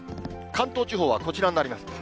関東地方はこちらになります。